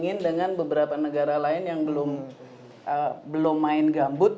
ingin dengan beberapa negara lain yang belum main gambut